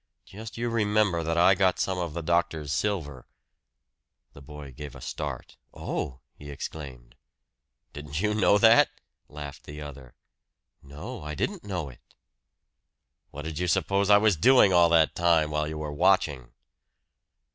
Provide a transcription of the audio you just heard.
Just you remember that I got some of the doctor's silver." The boy gave a start. "Oh!" he exclaimed. "Didn't you know that?" laughed the other. "No, I didn't know it." "What did you suppose I was doing all that time while you were watching?"